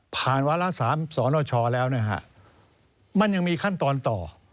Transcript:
ผ่านวาระ๓สนชแล้วมันยังมีขั้นตอนต่อ